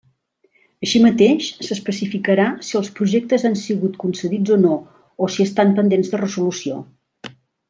Així mateix, s'especificarà si els projectes han sigut concedits o no, o si estan pendents de resolució.